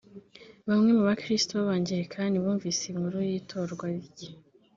Bamwe mu bakristo b'Abangilikani bumvise inkuru y’itorwa rye